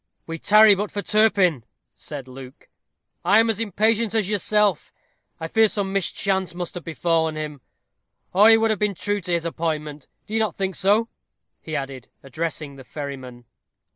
"We tarry but for Turpin," said Luke; "I am as impatient as yourself. I fear some mischance must have befallen him, or he would have been true to his appointment. Do you not think so?" he added, addressing the ferryman.